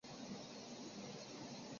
轻关易道，通商宽农